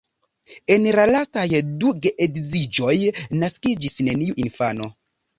En la lastaj du geedziĝoj naskiĝis neniu infano.